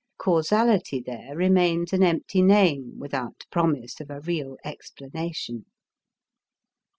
Causality there remains an empty name without promise of a real explanation.